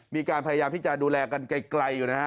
มีการพยายามที่จะดูแลกันไกลอยู่นะฮะ